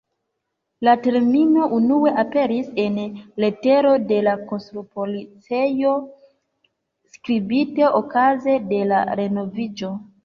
La termino unue aperis en letero de la konstrupolicejo skribite okaze de la renoviĝo.